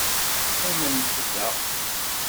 Qqimemt da.